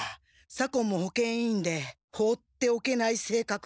左近も保健委員で放っておけない性格。